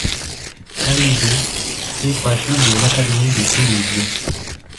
Parisot fait partie de l'académie de Toulouse.